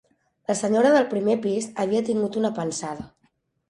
La senyora del primer pis havia tingut una pensada.